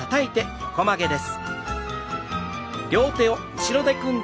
横曲げです。